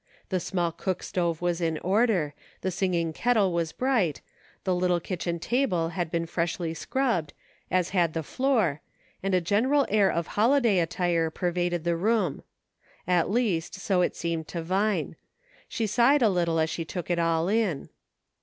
The small cook stove was in order, the singing teakettle was bright, the little kitchen table had been freshly scrubbed, as had the floor, and a general air of holiday attire per vaded the room ; at least, so it seemed to Vine. She sighed a little as she took it all in.